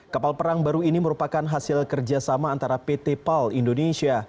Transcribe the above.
kapal perang baru ini merupakan hasil kerjasama antara pt pal indonesia